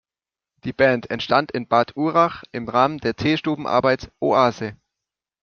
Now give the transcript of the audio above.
Die Band entstand in Bad Urach im Rahmen der Teestuben-Arbeit „Oase“.